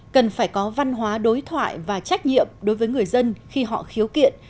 cần phải có văn hóa đối thoại và trách nhiệm đối với người dân khi họ khiếu kiện